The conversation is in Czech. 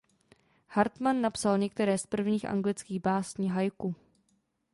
Hartmann napsal některé z prvních anglických básní haiku.